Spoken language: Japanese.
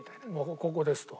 「ここです」と。